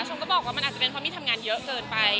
ก็บอกว่ามันอาจจะเป็นเพราะมี่ทำงานเยอะเกินไป